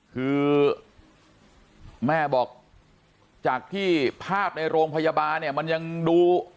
คือแม่บอกจากที่ภาพในโรงพยาบาลเนี่ยมันยังดู